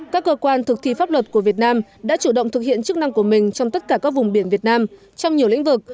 các cơ quan thực thi pháp luật của việt nam đã chủ động thực hiện chức năng của mình trong tất cả các vùng biển việt nam trong nhiều lĩnh vực